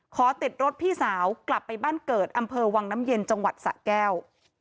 ขอติดรถพี่สาวกลับไปบ้านเกิดอำเภอวังน้ำเย็นจังหวัดสะแก้ว